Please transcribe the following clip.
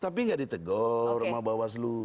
tapi nggak ditegur rumah bawas lu